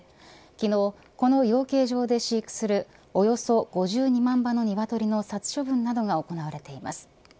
昨日この養鶏場で飼育するおよそ５２万羽のニワトリの殺処分などが行われてます。